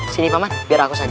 sini mama biar aku saja